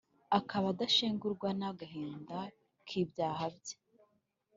akaba adashengurwa n’agahinda k’ibyaha bye!